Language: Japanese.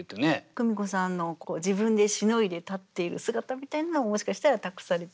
公美子さんの自分で凌いで立っている姿みたいなのももしかしたら託されているかもしれない。